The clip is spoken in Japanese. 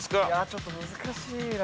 ちょっと難しいな。